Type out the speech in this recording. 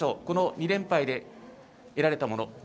この２連敗で得られたもの